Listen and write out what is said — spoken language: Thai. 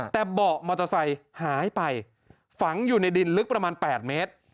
แต่เบาะมอเตอร์ไซค์หายไปฝังอยู่ในดินลึกประมาณ๘เมตร